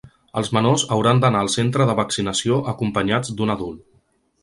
Els menors hauran d’anar al centre de vaccinació acompanyats d’un adult.